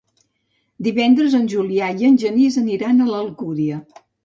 Divendres en Julià i en Genís aniran a l'Alcúdia.